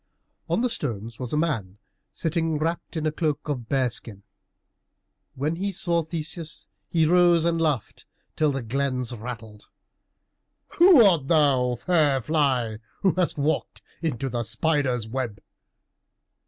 On the stones a man was sitting wrapped in a cloak of bear skin. When he saw Theseus, he rose, and laughed till the glens rattled. "Who art thou, fair fly, who hast walked into the spider's web?"